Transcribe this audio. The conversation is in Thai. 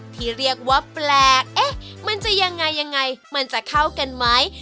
ที่เรียกว่าแปลกมันจะยังไงมันจะเข้ากันไหม